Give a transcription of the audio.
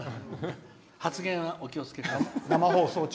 発言はお気をつけください。